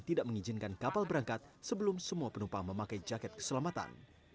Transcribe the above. tidak mengizinkan kapal berangkat sebelum semua penumpang memakai jaket keselamatan